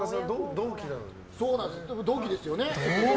同期なんですよね。